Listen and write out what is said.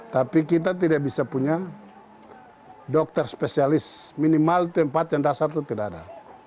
tapi kita tidak bisa punya dokter spesialis minimal tempat yang dasar itu tidak ada